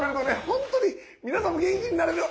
本当に皆さんも元気になれる。